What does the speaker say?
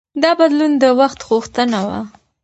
دا بدلون د وخت غوښتنه وه.